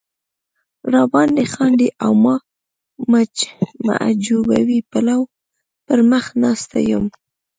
را باندې خاندي او ما محجوبوي پلو پر مخ ناسته یم.